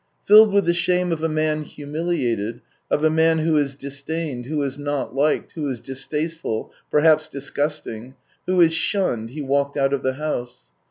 Filled with the shame of a man humiliated, of a man who is disdained, who is not liked, who is distasteful, perhaps disgusting, who is shunned, he walked out of the house.